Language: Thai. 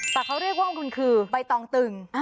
แต่เขาเรียกว่าคุณคือใบตองตึง